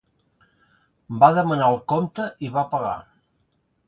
Va demanar el compte i va pagar.